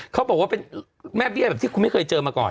เขาบอกว่าเป็นแม่เบี้ยแบบที่คุณไม่เคยเจอมาก่อน